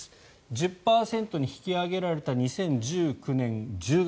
１０％に引き上げられた２０１９年１０月